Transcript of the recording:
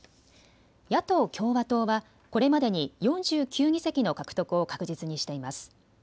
野党・共和党はこれまでに４９議席の獲得を確実にしています。